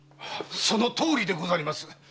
そのとおりでございまする。